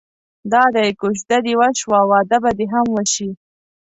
دادی کوژده دې وشوه واده به دې هم وشي.